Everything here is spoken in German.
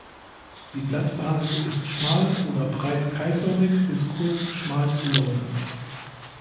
Die Blattbasis ist schmal oder breit keilförmig bis kurz schmal zulaufend.